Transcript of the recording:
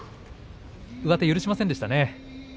上手を許しませんでしたね。